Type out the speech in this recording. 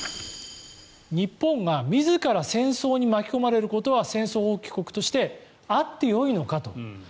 日本が自ら戦争に巻き込まれることは戦争放棄国としてあっていいのかと。